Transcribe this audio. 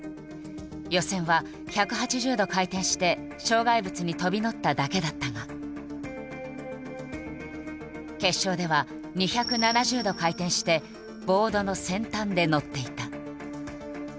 予選は１８０度回転して障害物に飛び乗っただけだったが決勝では２７０度回転してボードの先端で乗っていた。